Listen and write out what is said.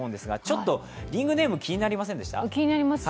ちょっとリングネーム気になりませんでした？